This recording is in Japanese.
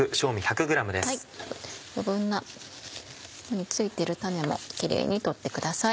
余分な付いてる種もキレイに取ってください。